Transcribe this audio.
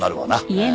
ええ。